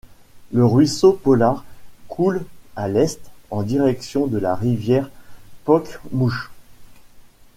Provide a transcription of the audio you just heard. Le ruisseau Pollard coule à l'est en direction de la rivière Pokemouche.